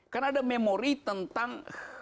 kan ada memori tentang